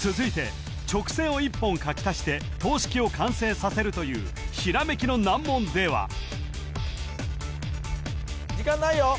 続いて直線を一本書き足して等式を完成させるというひらめきの難問では時間ないよ